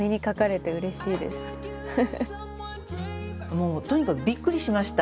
もうとにかくびっくりしました。